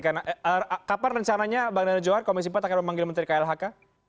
kapan rencananya bang daniel johar komisi empat akan memanggil menteri klhk